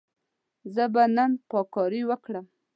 زه به نن پاککاري وکړم.